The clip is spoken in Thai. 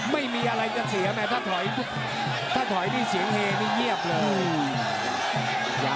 ไม่มีอะไรจะเสียแม่ถ้าถอยได้เสียงเฮนี่เยี่ยบเลย